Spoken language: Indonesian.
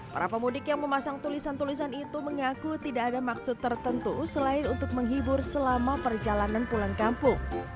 para pemudik yang memasang tulisan tulisan itu mengaku tidak ada maksud tertentu selain untuk menghibur selama perjalanan pulang kampung